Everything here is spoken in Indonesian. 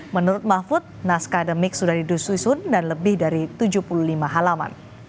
menurut mahfud naskah ademik sudah didusun dan lebih dari tujuh puluh lima halaman